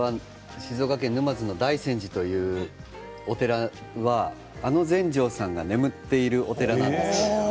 これは静岡県沼津の大泉寺というお寺阿野全成さんが眠っているお寺なんです。